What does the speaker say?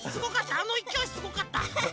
あのいきおいすごかった。